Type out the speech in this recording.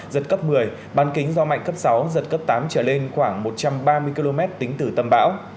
giật cấp một mươi bàn kính do mạnh cấp sáu giật cấp tám trở lên khoảng một trăm ba mươi km tính từ tầm bão